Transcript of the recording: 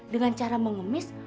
dengan cara mengemis